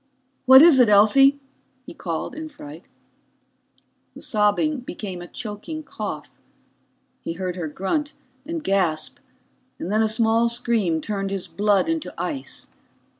"What is it, Elsie?" he called in fright. The sobbing became a choking cough. He heard her grunt and gasp, and then a small scream turned his blood into ice.